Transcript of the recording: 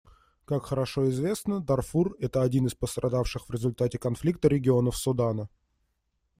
Как хорошо известно, Дарфур — это один из пострадавших в результате конфликта регионов Судана.